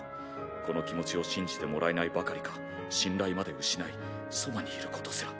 この気持ちを信じてもらえないばかりか信頼まで失いそばにいることすら。